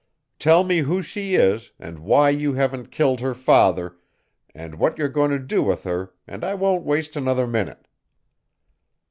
Tell me who she is, and why you haven't killed her father, and what you're going to do with her and I won't waste another minute."